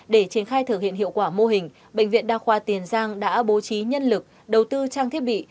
để triển khai thực hiện hiệu quả mô hình bệnh viện đa khoa tiền giang đã bố trí nhân lực đầu tư trang thiết bị